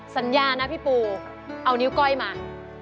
สัญญานะพี่ปูเอานิ้วก้อยมา